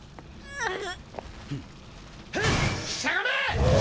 うっ！